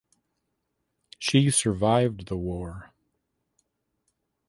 She survived the war.